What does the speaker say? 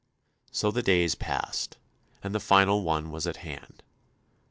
So the days passed, and the fatal one was at hand.